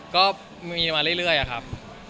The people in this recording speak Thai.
ก็มีมาเรื่อยครับ